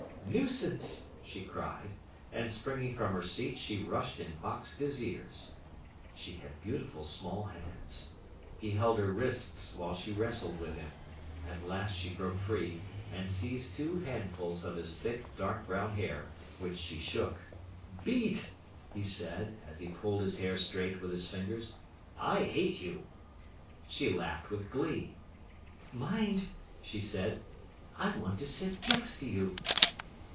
"Nuisance!" she cried; and, springing from her seat, she rushed and boxed his ears. She had beautiful small hands. He held her wrists while she wrestled with him. At last she broke free, and seized two handfuls of his thick, dark brown hair, which she shook. "Beat!" he said, as he pulled his hair straight with his fingers. "I hate you!" She laughed with glee. "Mind!" she said. "I want to sit next to you."